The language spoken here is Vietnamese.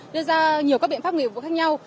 đưa ra nhiều các biện pháp nghiệp khác nhau